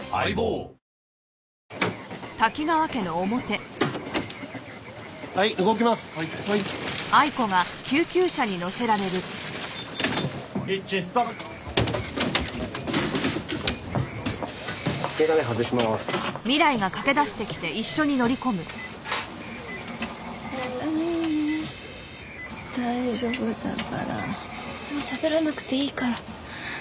もうしゃべらなくていいから。